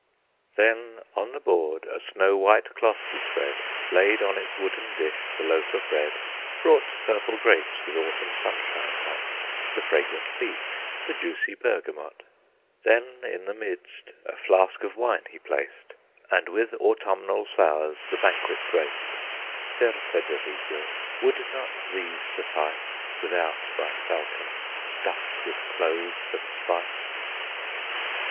Then on the board a snow white cloth he spread, Laid on its wooden dish the loaf of bread, Brought purple grapes with autumn sunshine hot, The fragrant peach, the juicy bergamot; Then in the midst a flask of wine he placed, And with autumnal flowers the banquet graced. Ser Federigo, would not these suffice Without thy falcon stuffed with cloves and spice?